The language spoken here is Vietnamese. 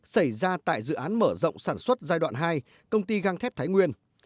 xảy ra tại dự án mở rộng sản xuất giai đoạn hai công ty găng thép thái nguyên